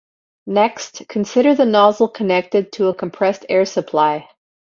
Next, consider the nozzle connected to a compressed air supply.